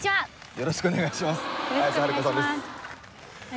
よろしくお願いします